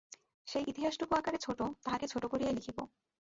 সেই ইতিহাসটুকু আকারে ছোটো, তাহাকে ছোটো করিয়াই লিখিব।